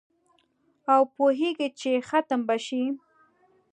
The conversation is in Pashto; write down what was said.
او پوهیږي چي ختم به شي